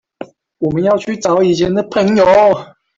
我們要去找以前的朋友